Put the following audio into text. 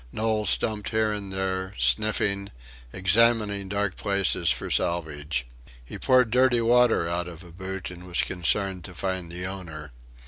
Knowles stumped here and there, sniffing, examining dark places for salvage. He poured dirty water out of a boot, and was concerned to find the owner.